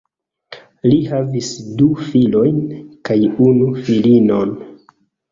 Li havis du filojn kaj unu filinon.